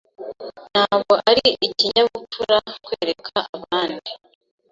Ntabwo ari ikinyabupfura kwereka abandi.